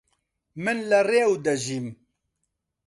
من لە ڕیۆ دەژیم.